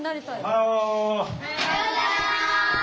おはようございます。